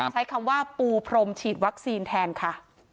ใช้คำว่าปูพรมฉีดวัคซีนแทนค่ะ